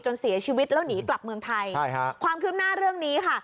เสียชีวิตแล้วหนีกลับเมืองไทยใช่ค่ะความคืบหน้าเรื่องนี้ค่ะ